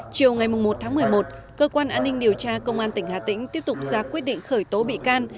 chiều ngày một tháng một mươi một cơ quan an ninh điều tra công an tỉnh hà tĩnh tiếp tục ra quyết định khởi tố bị can